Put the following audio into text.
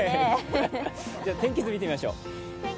天気図、見ていきましょう。